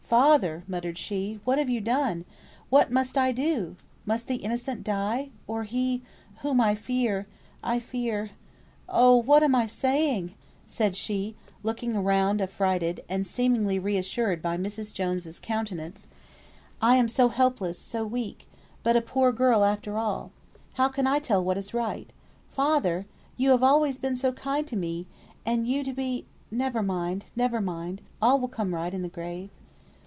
father!" muttered she, "what have you done? What must I do? must the innocent die? or he whom I fear I fear oh! what am I saying?" said she, looking round affrighted, and seemingly reassured by Mrs. Jones's countenance, "I am so helpless, so weak, but a poor girl after all. How can I tell what is right? Father! you have always been so kind to me, and you to be never mind never mind, all will come right in the grave."